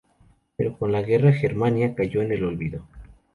Pero con la guerra, "Germania" cayo en el olvido.